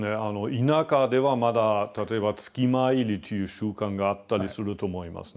田舎ではまだ例えば月参りという習慣があったりすると思いますね。